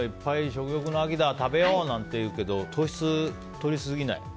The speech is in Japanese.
食欲の秋だ食べよう！なんて言うけど糖質とりすぎない。